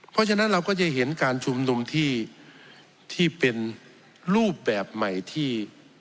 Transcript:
เพราะฉะนั้นเราก็จะเห็นการชุมนุมที่เป็นรูปแบบใหม่ที่